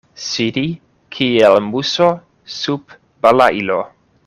Sidi kiel muso sub balailo.